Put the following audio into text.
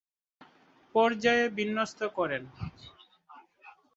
পর্যায়ে বিন্যস্ত করেন।